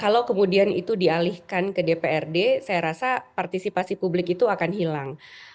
kalau kemudian itu dialihkan ke dprd saya rasa partisipasi publik itu akan hilang